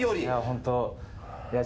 ホント。